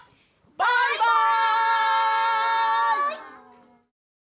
バイバイ！